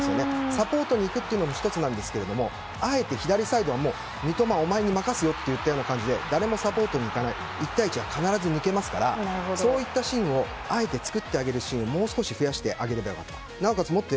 サポートに行くというのも１つなんですけどあえて左サイドは三笘、お前に任すよという感じで誰もサポートに行かない１対１は必ず抜けますからそういったシーンをあえて作ってあげる場面を作ってあげればよかった。